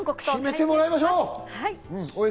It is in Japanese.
決めてもらいましょう。